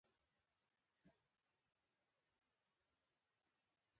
ایا ستاسو دسترخوان به ټول شي؟